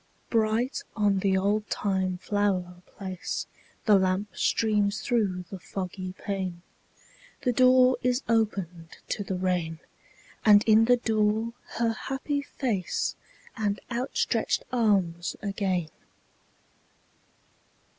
Bright on the oldtime flower place The lamp streams through the foggy pane; The door is opened to the rain: And in the door her happy face And outstretched arms again.